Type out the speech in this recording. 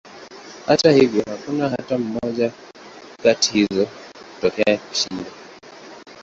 Hata hivyo, hakuna hata moja katika hizo kutokea kushinda.